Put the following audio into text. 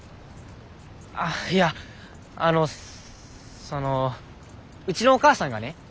ああいやあのそのうちのお母さんがね